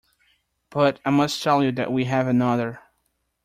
But I must tell you that we have another.